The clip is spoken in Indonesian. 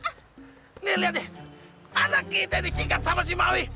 kalo mau ini bantuin pikirnya tadi dikepukin sama gerry be